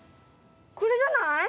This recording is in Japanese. これじゃない？